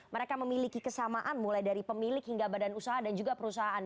mereka memiliki kesamaan mulai dari pemilik hingga badan usaha dan juga perusahaan